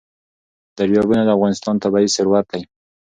دریابونه د افغانستان طبعي ثروت دی.